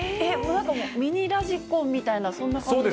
なんかミニラジコンみたいな、そんな感じですか？